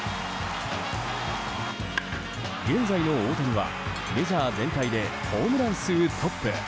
現在の大谷はメジャー全体でホームラン数トップ。